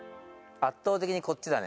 圧倒的にこっちだね。